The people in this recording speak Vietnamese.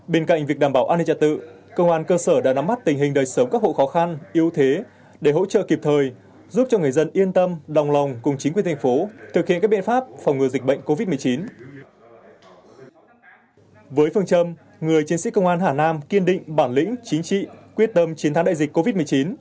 bên cạnh việc đảm bảo an ninh trật tự công an cơ sở đã nắm bắt tình hình đời sống các hộ khó khăn yếu thế để hỗ trợ kịp thời giúp cho người dân yên tâm đồng lòng cùng chính quyền thành phố thực hiện các biện pháp phòng ngừa dịch bệnh covid một mươi chín